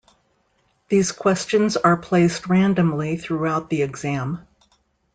These questions are placed randomly throughout the exam.